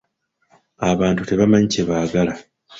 Abantu tebamanyi kye baagala.